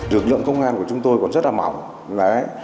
lực lượng công an của chúng tôi còn rất là mỏng